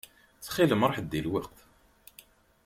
Ttxil-m ṛuḥ-d di lweqt.